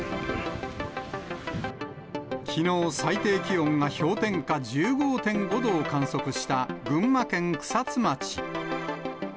きのう、最低気温が氷点下１５．５度を観測した群馬県草津町。